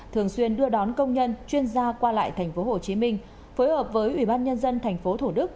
thường xuyên đưa đón công nhân chuyên gia qua lại tp hcm phối hợp với ủy ban nhân dân tp thủ đức